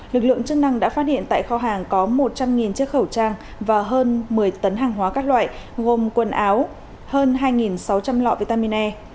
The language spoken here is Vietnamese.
lực lượng chức năng đã phát hiện tại kho hàng có một trăm linh chiếc khẩu trang và hơn một mươi tấn hàng hóa các loại gồm quần áo hơn hai sáu trăm linh lọ vitamine e